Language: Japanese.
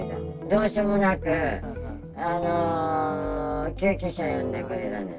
どうしようもなく、救急車呼んでくれたんで。